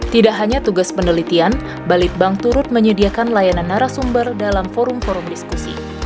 tidak hanya tugas penelitian balitbank turut menyediakan layanan narasumber dalam forum forum diskusi